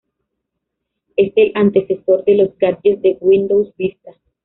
Es el antecesor de los Gadgets de Windows Vista.